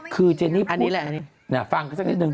คือเจนี่พูดน่าฟังสักนิดนึง